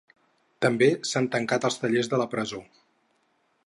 També s’han tancat els tallers de la presó.